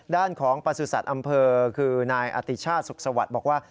ด้านของประสุทธิ์อำเภอคือนายอติชาติสุขสวัสดิ์บอกว่า